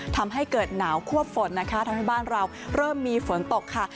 ทำให้เกิดหนาวควบฝนนะคะทำให้บ้านเราเริ่มมีฝนตกค่ะ